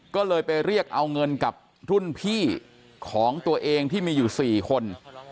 ก็เลยไปเรียกเอาเงินกับรุ่นพี่ของตัวเองที่มีอยู่๔คน